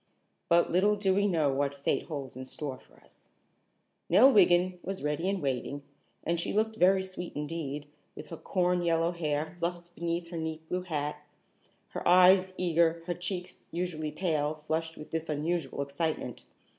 But little do we know what fate holds in store for us. Nell Wiggin was ready and waiting, and she looked very sweet indeed, with her corn yellow hair fluffed beneath her neat blue hat, her eyes eager, her cheeks, usually pale, flushed with this unusual excitement.